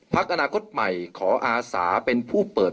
เพื่อยุดยั้งการสืบทอดอำนาจของขอสอชอต่อและยังพร้อมจะเป็นนายกรัฐมนตรี